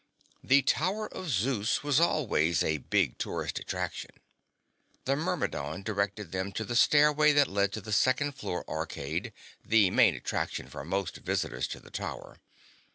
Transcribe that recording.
The Tower of Zeus was always a big tourist attraction. The Myrmidon directed them to the stairway that led to the second floor Arcade, the main attraction for most visitors to the Tower.